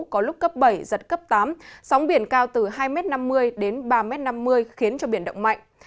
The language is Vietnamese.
có lúc cấp bảy giật cấp tám sóng biển cao từ hai năm mươi đến ba năm mươi khiến cho biển động mạnh